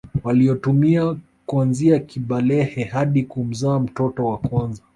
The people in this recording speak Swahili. waliotumia kuanzia kubalehe hadi kumzaa mtoto wa kwanza